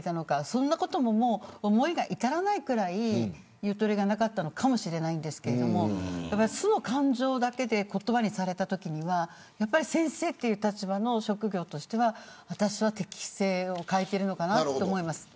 そこに思いが至らないぐらいゆとりがなかったのかもしれませんが素の感情だけで言葉にされたときには先生という立場の職業としては私は適正を欠いているのかと思います。